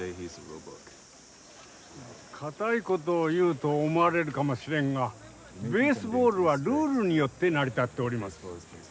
堅いことを言うと思われるかもしれんがベースボールはルールによって成り立っております。